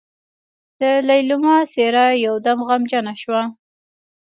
د ليلما څېره يودم غمجنه شوه.